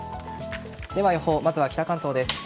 では、予報まずは北関東です。